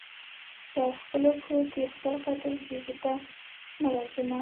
پر خپلو پښو د خپل قاتل غیږي ته نه ورځمه